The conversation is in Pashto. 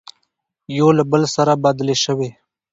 يو له بل سره بدلې شوې،